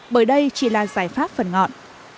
bởi đây chỉ là giải pháp phần ngọn